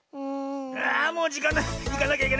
あもうじかんない。